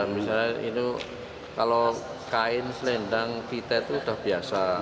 misalnya itu kalau kain selendang kita itu sudah biasa